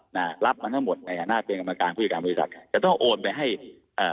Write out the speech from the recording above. นะรับมาทั้งหมดในฐานะเป็นกรรมการผู้จัดการบริษัทจะต้องโอนไปให้เอ่อ